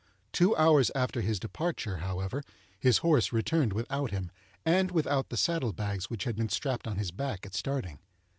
Two hours after his departure, however, his horse returned without him, and without the saddle bags which had been strapped on his back at starting.